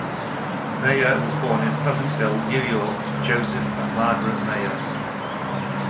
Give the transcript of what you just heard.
Maher was born in Pleasantville, New York to Joseph and Margaret Maher.